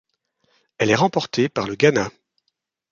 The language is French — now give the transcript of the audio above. Elle est remportée par le Ghana.